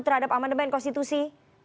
terhadap amandemen konstitusi